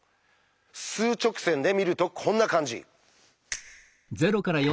数直線で見るとこんな感じ。